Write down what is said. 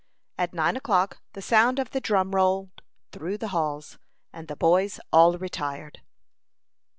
At nine o'clock the sound of the drum rolled through the halls, and the boys all retired.